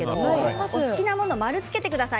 お好きなものを見つけてください。